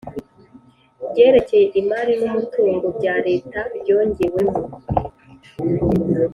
ryerekeye imari n umutungo bya Leta ryongewemo